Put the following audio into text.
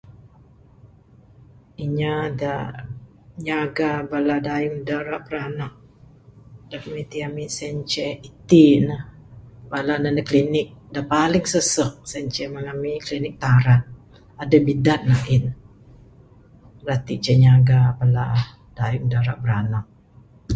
Nyaga...nyaga bala dayung da ira biranak da ku niti ami sien ceh itin bala ne nug klinik da paling susuk sien ceh kuwan ami Klinik Tarat. Aduh bidan ain, bala ti ceh nyaga bala dayung da ira biranak.